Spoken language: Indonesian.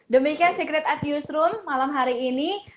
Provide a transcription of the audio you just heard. demikian secret at newsroom malam hari ini